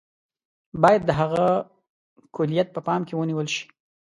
باید د هغه کُلیت په پام کې ونیول شي.